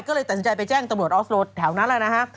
ก็เลยตัดสินใจไปแจ้งตำรวจออฟโลแถวนั้นแหละนะฮะ